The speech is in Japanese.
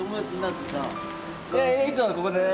いつもここでね